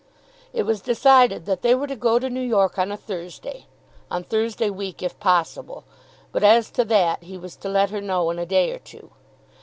It was decided that they were to go to New York, on a Thursday, on Thursday week if possible, but as to that he was to let her know in a day or two.